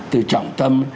từ trọng tâm